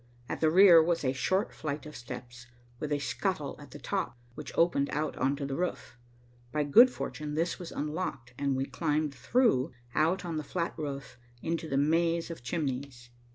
At the rear was a short flight of steps, with a scuttle at the top, which opened out on the roof. By good fortune, this was unlocked, and we climbed through, out on the flat roof, into the maze of chimneys.